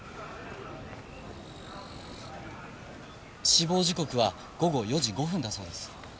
死亡時刻は午後４時５分だそうです。